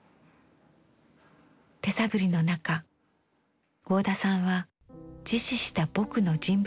手探りの中合田さんは自死した「ぼく」の人物像を考えました。